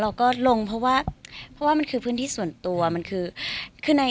เราก็ลงเพราะว่าเพราะว่ามันคือพื้นที่ส่วนตัวมันคือคือใน